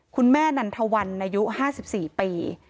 คุณแม่นันทวันอายุ๕๔ปี